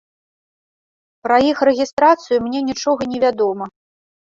Пра іх рэгістрацыю мне нічога невядома.